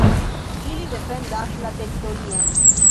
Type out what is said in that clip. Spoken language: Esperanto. Ili defendas la teritorion.